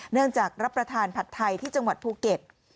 เนื่องจากรับประทานผัดไทยที่จังหวัดภูเก็ต